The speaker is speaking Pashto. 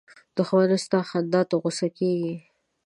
دښمن ستا خندا ته غوسه کېږي